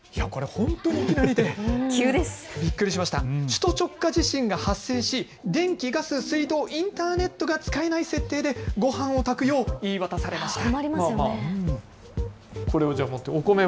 首都直下地震が発生し電気、ガス、水道、インターネットが使えない設定でごはんを炊くよう言い渡されました。